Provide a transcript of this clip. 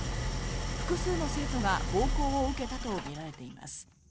複数の生徒が暴行を受けたとみられています。